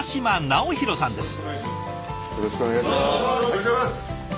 よろしくお願いします。